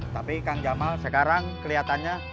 tapi kang jamal sekarang kelihatannya